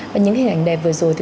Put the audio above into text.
và những hình ảnh đẹp vừa rồi